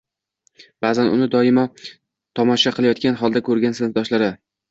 Ba'zan uni doim tomosha qilayotgan holda ko'rgan sinfdoshlari